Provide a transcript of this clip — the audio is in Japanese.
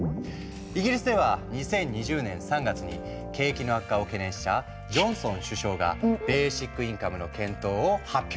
イギリスでは２０２０年３月に景気の悪化を懸念したジョンソン首相がベーシックインカムの検討を発表。